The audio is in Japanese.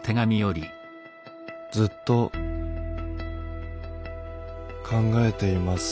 「ずっと考えています」。